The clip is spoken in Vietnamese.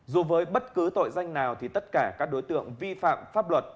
dù với bất cứ tội danh nào thì tất cả các đối tượng vi phạm pháp luật